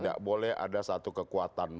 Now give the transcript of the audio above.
tidak boleh ada satu kekuatan